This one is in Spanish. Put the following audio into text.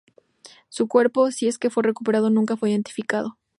Su cuerpo, si es que fue recuperado, nunca fue identificado.